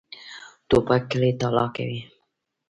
توپک کلی تالا کوي.